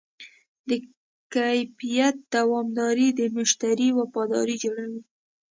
د کیفیت دوامداري د مشتری وفاداري جوړوي.